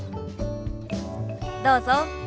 どうぞ。